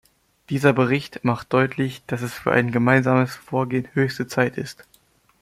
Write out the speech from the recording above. Dieser Bericht macht deutlich, dass es für ein gemeinsames Vorgehen höchste Zeit ist.